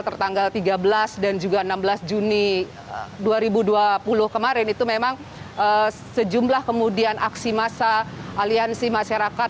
tertanggal tiga belas dan juga enam belas juni dua ribu dua puluh kemarin itu memang sejumlah kemudian aksi massa aliansi masyarakat